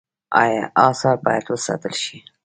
آثار باید وساتل شي